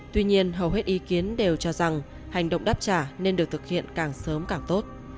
tuy nhiên hầu hết ý kiến đều cho rằng hành động đáp trả nên được thực hiện càng sớm càng tốt